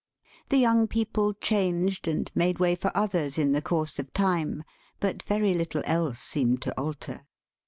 The young people changed and made way for others in the course of time, but very little else seemed to alter.